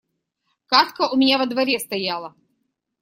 Кадка у меня во дворе стояла